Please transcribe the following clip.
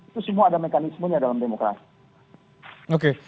itu semua ada mekanismenya dalam demokrasi